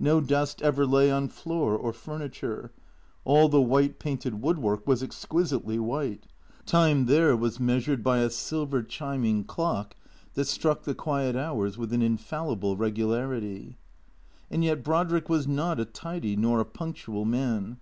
No dust ever lay on floor or furniture. All the white painted woodwork was exquisitely white. Time there was measured by a silver chiming clock that struck the quiet hours with an infallible regularity. And yet Brodrick was not a tidy nor a punctual man.